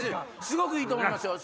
すごくいいと思いますよ